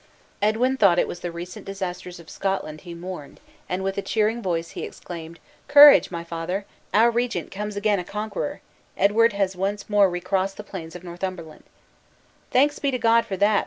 Edwin thought it was the recent disasters of Scotland he mourned; and with a cheering voice he exclaimed, "Courage, my father! our regent comes again a conqueror! Edward has once more recrossed the plains of Northumberland!" "Thanks be to God for that!"